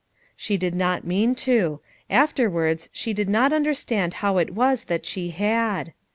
" She did not mean to ; afterwards, she did not understand how it was that she had.